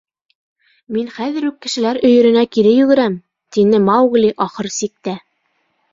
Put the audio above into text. — Мин хәҙер үк кешеләр өйөрөнә кире йүгерәм, — тине Маугли ахыр сиктә.